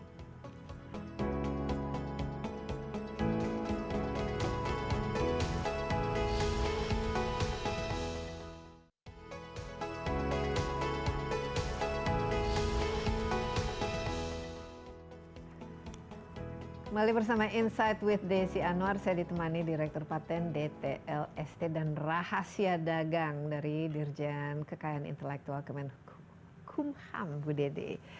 kembali bersama insight with isi anwar saya ditemani direktur paten dt lst dan rahasia dagang dari dirjen kekayaan intelektual kemen hukum ham bu dede